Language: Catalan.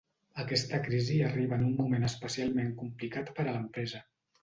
Aquesta crisi arriba en un moment especialment complicat per a l’empresa.